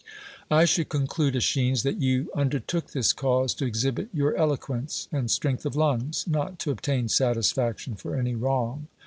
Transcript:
I should conclude, ^ Eschines, that you under took this cause to exhibit your eloquence and strength of lungs, not to obtain satisfaction for any wrong.